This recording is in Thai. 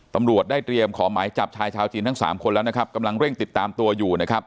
ตำรวจได้เตรียมขอหมายจับชายชาวจีนทั้งสามคนแล้วนะครับกำลังเร่งติดตามตัวอยู่นะครับ